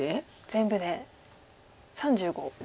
全部で３５。